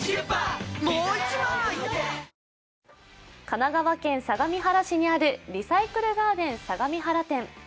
神奈川県相模原市にあるリサイクルガーデン相模原店。